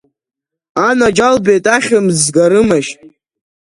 Анаџьалбеит, ахьмыӡӷ згарымашь?